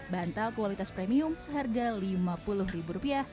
bantal kualitas premium seharga rp lima puluh